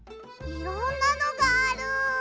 いろんなのがある。